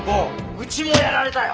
うちもやられたよ。